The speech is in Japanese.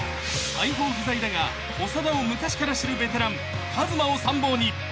［大砲不在だが長田を昔から知るベテランＫＡＺＭＡを参謀に］